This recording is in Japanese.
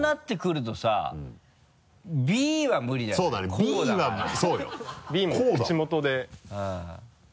「Ｂ」も口元で。